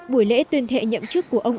bủi lễ tuyên thệ nhậm chức của ông